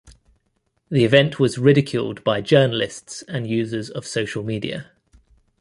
The event was ridiculed by journalists and users of social media.